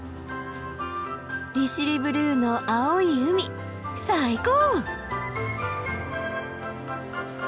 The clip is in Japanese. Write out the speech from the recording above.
利尻ブルーの青い海最高！